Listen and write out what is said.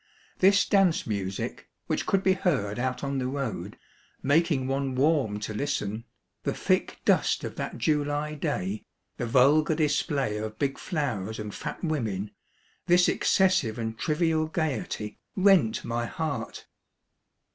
This dance music, which could be heard out on the road, making one warm to listen, the thick dust of that July day, the vulgar display of big flowers and fat women, this excessive and trivial gayety rent my heart.